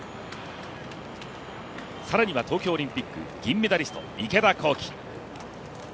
更には東京オリンピック銀メダリスト・池田向希。